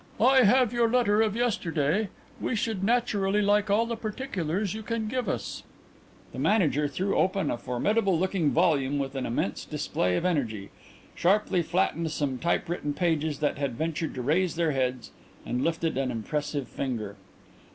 "I have your letter of yesterday. We should naturally like all the particulars you can give us." The Manager threw open a formidable looking volume with an immense display of energy, sharply flattened some typewritten pages that had ventured to raise their heads, and lifted an impressive finger.